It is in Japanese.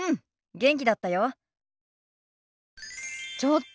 元気だった？